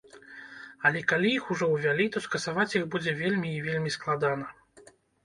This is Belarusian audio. Але калі іх ўжо ўвялі, то скасаваць іх будзе вельмі і вельмі складана.